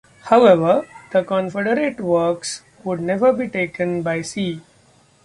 However, the Confederate works would never be taken by sea.